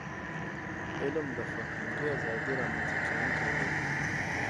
علم د فکري ازادی رامنځته کونکی دی.